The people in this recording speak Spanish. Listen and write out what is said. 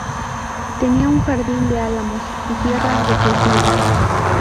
Tenía un jardín de álamos y tierras de cultivo.